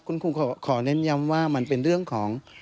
คุณครูขอเน้นย้ำว่ามันเป็นเรื่องของ